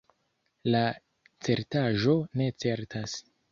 La certaĵo ne certas.